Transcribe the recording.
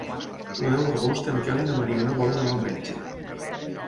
El deu d'agost en Quel i na Mariona volen anar al metge.